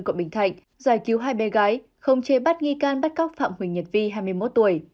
quận bình thạnh giải cứu hai bé gái không chế bắt nghi can bắt cóc phạm huỳnh nhật vi hai mươi một tuổi